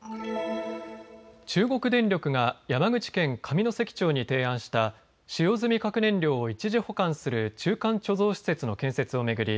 中国電力が山口県上関町に提案した使用済み核燃料を一時保管する中間貯蔵施設の建設を巡り